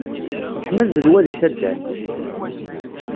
Teḥma zzedwa deg taddart!